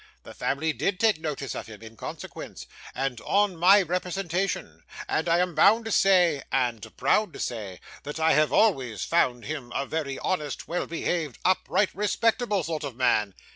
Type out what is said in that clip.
The family DID take notice of him, in consequence, and on my representation; and I am bound to say and proud to say that I have always found him a very honest, well behaved, upright, respectable sort of man.